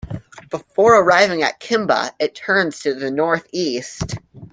Before arriving at Kimba, it turns to the north-east.